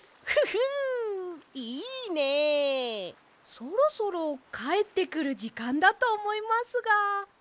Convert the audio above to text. そろそろかえってくるじかんだとおもいますが。